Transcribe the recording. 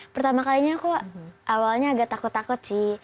pertama kalinya aku awalnya agak takut takut sih